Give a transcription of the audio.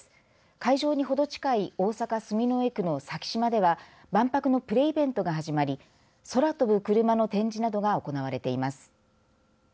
会場に程近い大阪、住之江区の咲洲では万博のプレイベントが始まり空飛ぶクルマの展示などが行われています。